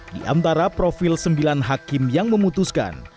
di antara profil sembilan hakim yang memutuskan